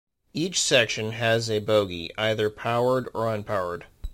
Each section has a bogie, either powered or unpowered.